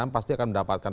pasti akan mendapatkan